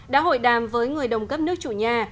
đã hội đàm với người đồng cấp nước chủ nhà